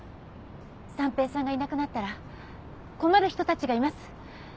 三瓶さんがいなくなったら困る人たちがいます。